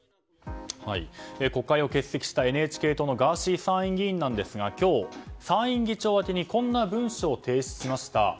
国会を欠席したＮＨＫ党のガーシー参議院議員は今日、参院議長宛てにこんな文書を提出しました。